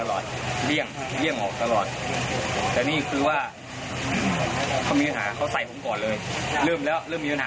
เริ่มมีปัญหาแล้ว